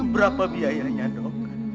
berapa biayanya dok